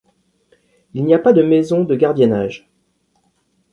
Il n'y a pas de maison de gardiennage.